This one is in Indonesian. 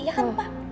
iya kan pak